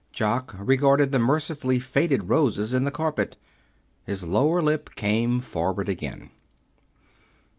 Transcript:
Jock regarded the mercifully faded roses in the carpet. His lower lip came forward again.